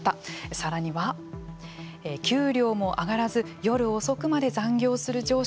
さらには給料も上がらず夜遅くまで残業する上司。